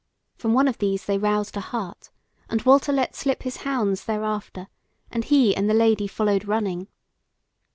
From one of these they roused a hart, and Walter let slip his hounds thereafter and he and the Lady followed running.